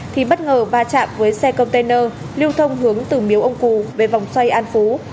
thì bất ngờ va chạm với xe container lưu thông hướng từ miếu ông cù về vòng xoay an phú